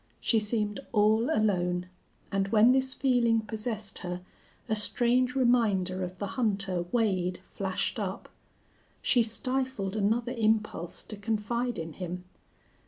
She seemed all alone, and when this feeling possessed her a strange reminder of the hunter Wade flashed up. She stifled another impulse to confide in him.